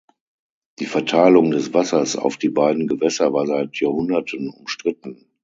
Die Verteilung des Wassers auf die beiden Gewässer war seit Jahrhunderten umstritten.